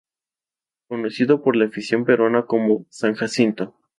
Conocido por la afición peruana como ""San Jacinto"".